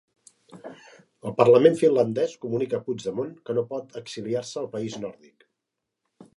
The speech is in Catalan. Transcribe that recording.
El Parlament finlandès comunica a Puigdemont que no pot exiliar-se al país nòrdic